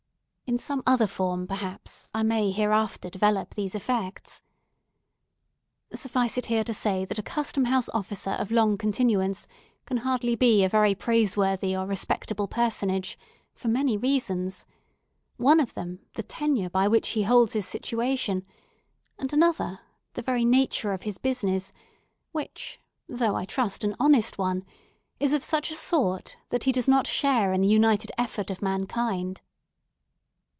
In some other form, perhaps, I may hereafter develop these effects. Suffice it here to say that a Custom House officer of long continuance can hardly be a very praiseworthy or respectable personage, for many reasons; one of them, the tenure by which he holds his situation, and another, the very nature of his business, which—though, I trust, an honest one—is of such a sort that he does not share in the united effort of mankind.